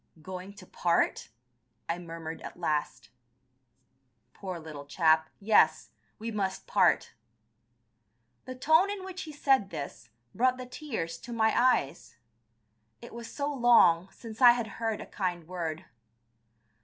"Going to part!" I murmured at last. "Poor little chap, yes, we must part." The tone in which he said this brought the tears to my eyes. It was so long since I had heard a kind word.